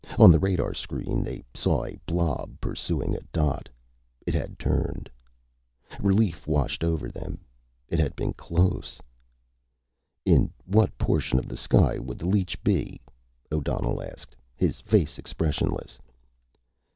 On the radar screen, they saw a blob pursuing a dot. It had turned. Relief washed over them. It had been close! "In what portion of the sky would the leech be?" O'Donnell asked, his face expressionless.